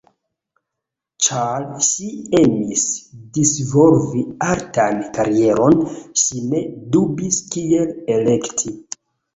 Ĉar ŝi emis disvolvi artan karieron, ŝi ne dubis kiel elekti.